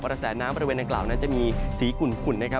กระแสน้ำบริเวณดังกล่าวนั้นจะมีสีขุ่นนะครับ